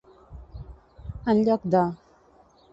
En lloc de.